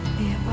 makasih ya pak